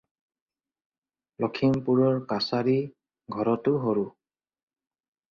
লক্ষীমপুৰৰ কাছাৰি ঘৰটো সৰু।